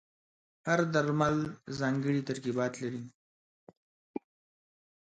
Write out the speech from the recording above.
هر درمل ځانګړي ترکیبات لري.